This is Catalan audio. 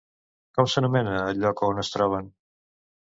Com s'anomena el lloc on es troben?